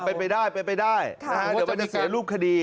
เป็นไปได้เดี๋ยวมันจะเสียรูปคดี